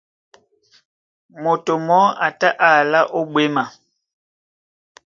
Moto mɔɔ́ a tá á alá ó ɓwěma.